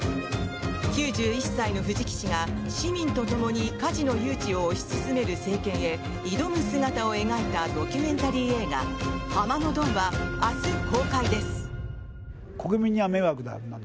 ９１歳の藤木氏が市民とともにカジノ誘致を推し進める政権へ挑む姿を描いたドキュメンタリー映画「ハマのドン」は明日公開です。